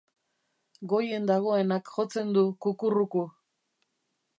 Goien dagoenak jotzen du kukurruku.